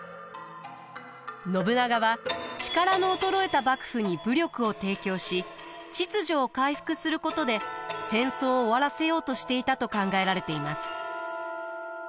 信長は力の衰えた幕府に武力を提供し秩序を回復することで戦争を終わらせようとしていたと考えられています。